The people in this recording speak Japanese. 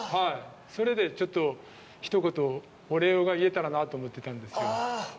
それでちょっとひと言お礼が言えたらなと思ってたんですよ。